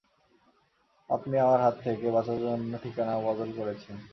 আপনি আমার হাত থেকে বাঁচার জন্যে ঠিকানা বদল করেছেন।